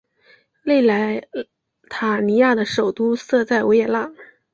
内莱塔尼亚的首都设在维也纳。